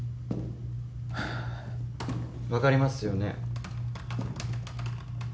分かりますよね